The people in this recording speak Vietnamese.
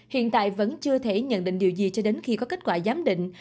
hiện tại vẫn chưa thể nhận định điều gì cho đến khi có kết quả giám định